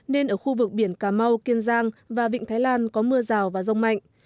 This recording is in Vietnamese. nên ở khu vực biển cà mau kiên giang và vịnh thái lan có mưa rào và rông mạnh